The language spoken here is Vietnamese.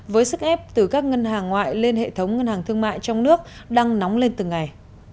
với sức ép từ các ngân hàng ngoại lên hệ thống ngân hàng thương mại trong nước đang nóng lên từng ngày